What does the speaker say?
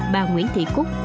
bà nguyễn thị cúc